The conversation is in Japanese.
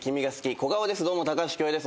小顔です。